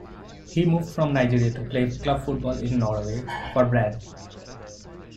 He moved from Nigeria to play club football in Norway for Brann.